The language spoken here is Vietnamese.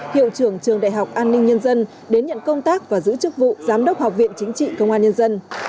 hiệu trưởng trường đại học an ninh nhân dân đến nhận công tác và giữ chức vụ giám đốc học viện chính trị công an nhân dân